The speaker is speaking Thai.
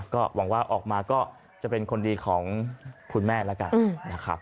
ก็หวังว่าออกมาก็จะเป็นคนดีของคุณแม่แล้วกันนะครับ